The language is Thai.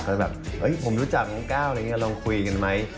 เขาก็แบบผมรู้จักน้องกล้าวลองคุยกันไหม